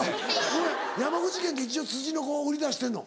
ごめん山口県って一応ツチノコを売り出してんの？